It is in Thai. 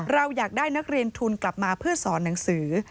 เราอยากได้นักเรียนทุนกลับมาเพื่อสอนหนังสือ